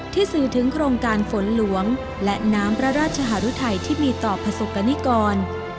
สื่อถึงโครงการฝนหลวงและน้ำพระราชหารุทัยที่มีต่อประสบกรณิกร